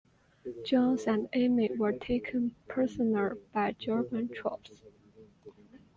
Johns and Amey were taken prisoner by German troops.